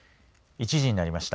１時になりました。